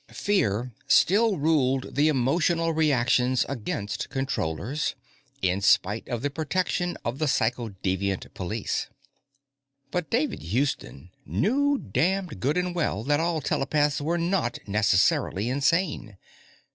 Fear still ruled the emotional reactions against Controllers, in spite of the protection of the Psychodeviant Police. But David Houston knew damned good and well that all telepaths were not necessarily insane.